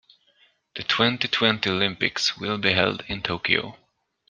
The twenty-twenty Olympics will be held in Tokyo.